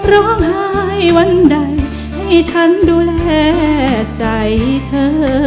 ร้องไห้วันใดให้ฉันดูแลใจเธอ